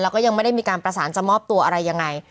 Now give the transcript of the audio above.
แล้วก็ยังไม่ได้มีการประสานจะมอบตัวอะไรยังไง